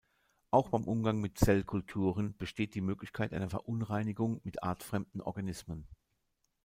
Auch beim Umgang mit Zellkulturen besteht die Möglichkeit einer Verunreinigung mit artfremden Organismen.